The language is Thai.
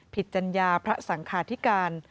ผิดจัญญาพระสังฆาติกาล